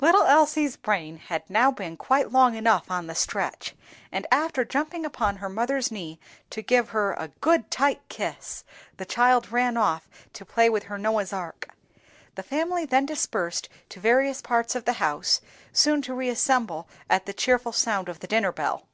Little Elsie's brain had now been quite long enough on the stretch, and after jumping upon her mother's knee to give her "a good tight kiss," the child ran off to play with her Noah's Ark. The family then dispersed to various parts of the house, soon to reassemble at the cheerful sound of the dinner bell.